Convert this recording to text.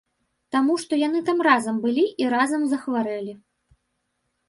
Таму што яны там разам былі і разам захварэлі.